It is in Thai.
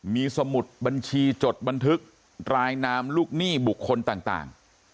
มีสมุดบัญชีจดบันทึกรายนามลูกหนี้บุคคลต่าง